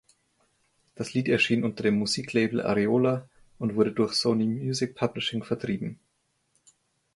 Das Lied erschien unter dem Musiklabel Ariola und wurde durch Sony Music Publishing vertrieben.